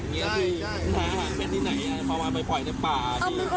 หาอาหารแม่ที่ไหนมาปล่อยในป่า